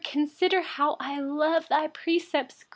159Consider how I love your precepts.